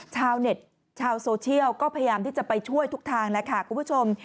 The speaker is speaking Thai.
ชาวเน็ตชาวโซเชียลก็พยายามที่จะไปช่วยทุกทางแล้วค่ะคุณผู้ชม